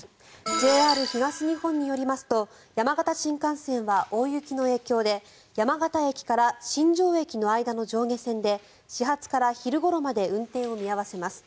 ＪＲ東日本によりますと山形新幹線は大雪の影響で山形駅から新庄駅の間の上下線で始発から昼ごろまで運転を見合わせます。